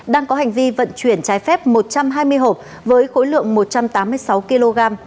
đang có hành vi vận chuyển trái phép một trăm hai mươi hộp với khối lượng một trăm tám mươi sáu kg